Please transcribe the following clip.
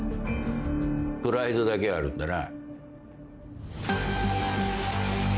プライドだけはあるんだな。